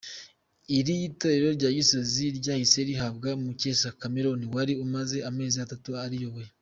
Iri torero rya Gisozi ryahise rihabwa Mukeza Cameron wari umaze amezi atatu ariyobora.